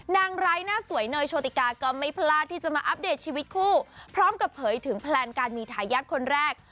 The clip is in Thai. ไร้หน้าสวยเนยโชติกาก็ไม่พลาดที่จะมาอัปเดตชีวิตคู่พร้อมกับเผยถึงแพลนการมีทายาทคนแรก